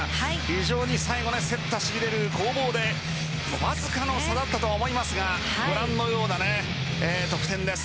非常に競ったしびれる攻防でわずかの差だったと思いますがご覧のような得点です。